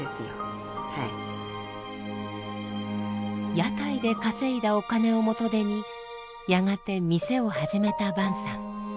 屋台で稼いだお金を元手にやがて店を始めた潘さん。